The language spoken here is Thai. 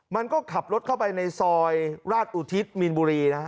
มันก็ขับรถเข้าไปในซอยราชอุทิศมีนบุรีนะฮะ